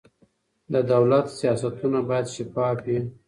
د دولت سیاستونه باید شفاف وي